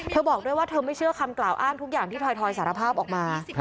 บอกด้วยว่าเธอไม่เชื่อคำกล่าวอ้างทุกอย่างที่ถอยสารภาพออกมา